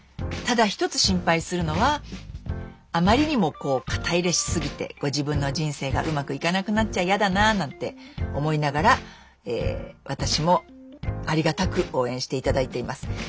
ただ一つ心配するのはあまりにもこう肩入れしすぎてご自分の人生がうまくいかなくなっちゃやだななんて思いながら私もありがたく応援して頂いています。